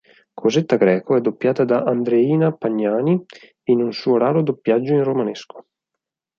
Cosetta Greco è doppiata da Andreina Pagnani in un suo raro doppiaggio in romanesco